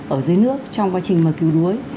ở dưới nước trong quá trình cứu đuối